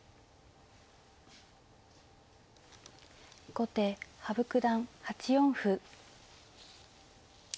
後手羽生九段８四歩。